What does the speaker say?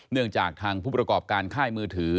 เนื่องจากทางผู้ประกอบการค่ายมือถือ